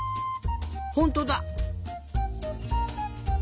ほんとだ！